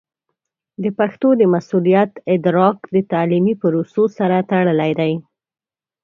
د پښتو د مسوولیت ادراک د تعلیمي پروسو سره تړلی دی.